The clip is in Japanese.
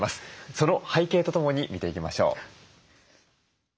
その背景とともに見ていきましょう。